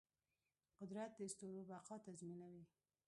قدرت د ستورو بقا تضمینوي.